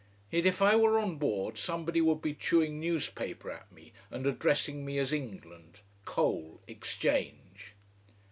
Yet if I were on board somebody would be chewing newspaper at me, and addressing me as England coal exchange.